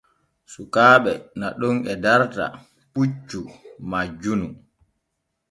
Sukaaɓe naɗon e darta puccu majjunu.